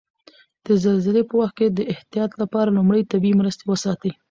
د زلزلې په وخت د احتیاط لپاره لومړي طبي مرستې وساتئ.